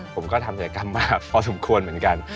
ผมก็ทำศัยกรรมมาพอสมควรเหมือนกัน